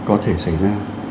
có thể xảy ra